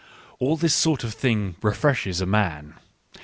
... All this sort of thing refreshes a man.